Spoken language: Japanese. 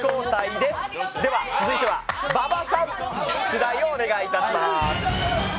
続いては馬場さん、出題をお願いします。